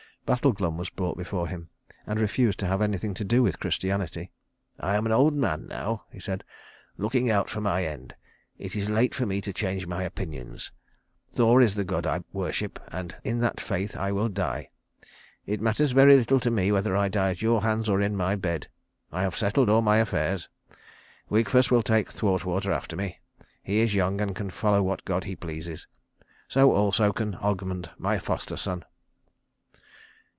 Battle Glum was brought before him, and refused to have anything to do with Christianity. "I am an old man now," he said, "looking out for my end. It is late for me to change my opinions. Thor is the god I worship, and in that faith will I die. It matters very little to me whether I die at your hands, or in my bed. I have settled all my affairs. Wigfus will take Thwartwater after me. He is young and can follow what gods he pleases. So also can Ogmund, my foster son."